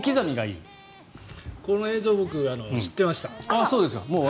この映像知ってました。